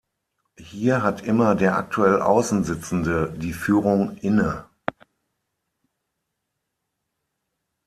Hier hat immer der aktuell außen Sitzende die Führung inne.